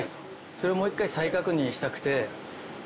それをもう一回再確認したくて。